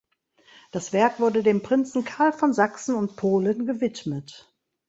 Das Werk wurde dem Prinzen Karl von Sachsen und Polen gewidmet.